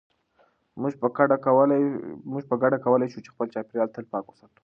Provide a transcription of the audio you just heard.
موږ په ګډه کولای شو چې خپل چاپیریال تل پاک وساتو.